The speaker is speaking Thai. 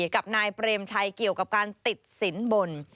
กับนายเปรมชัยเกี่ยวกับการติดสินบน